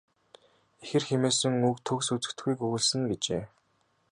Ихэр хэмээсэн үг төгс үзэгдэхүйг өгүүлсэн нь." гэжээ.